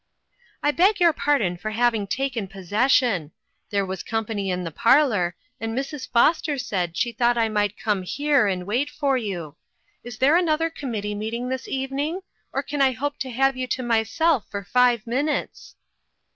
" I beg your pardon for having taken possession. There was company in the par lor, and Mrs. Foster said she thought I might come here and wait for you. Is there another committee meeting this even ing? or can I hope to have you to myself for five minutes?"